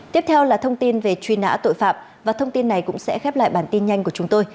tiếp theo là thông tin về truy nã tội phạm và thông tin này cũng sẽ khép lại bản tin nhanh của chúng tôi